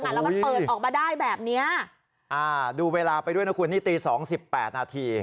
แล้วมันเปิดออกมาได้แบบเนี้ยอ่าดูเวลาไปด้วยนะคุณนี่ตีสองสิบแปดนาที